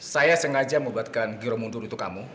saya sengaja membuatkan giromundur untuk kamu